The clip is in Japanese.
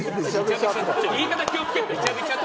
言い方、気をつけて！